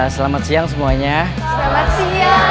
selamat siang semuanya selamat siang